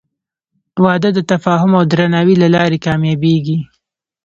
• واده د تفاهم او درناوي له لارې کامیابېږي.